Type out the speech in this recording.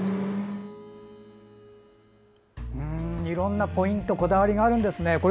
いろんなポイントこだわりがあるんですね。